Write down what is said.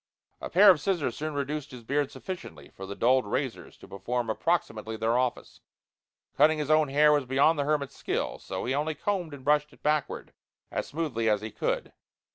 A pair of scissors soon reduced his beard sufficiently for the dulled razors to perform approximately their office. Cutting his own hair was beyond the hermit's skill. So he only combed and brushed it backward as smoothly as he could.